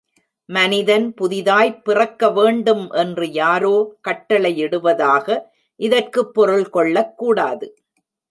மனிதன் புதிதாய்ப் பிறக்க வேண்டும் என்று யாரோ கட்டளையிடுவதாக இதற்குப் பொருள் கொள்ளக் கூடாது.